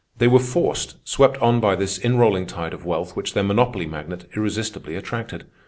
They were forced, swept on by this inrolling tide of wealth which their monopoly magnet irresistibly attracted.